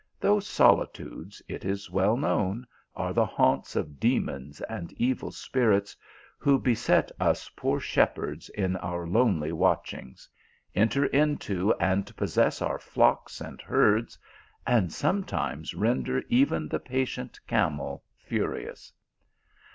Those solitudes, it is weil known, are the THE PILGRIM OF LOVE. 219 haunts of demons and evil spirits, who beset us poor shepherds in our lonely watchings, enter into and possess our flocks and herds, and sometimes render even the patient camel furious.